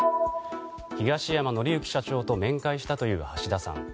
東山紀之社長と面会したという橋田さん。